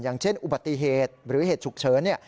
อย่างเช่นอุบัติเหตุหรือเหตุฉุกเฉิน